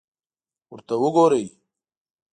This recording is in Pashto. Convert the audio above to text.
ورته وګورئ!